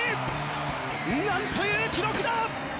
何という記録だ！